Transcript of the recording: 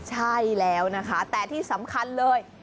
ใช่แล้วนะคะแต่ที่สำคัญเลย